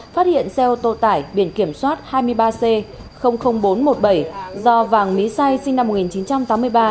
phát hiện xe ô tô tải biển kiểm soát hai mươi ba c bốn trăm một mươi bảy do vàng mỹ sai sinh năm một nghìn chín trăm tám mươi ba